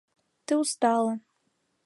Ты устала.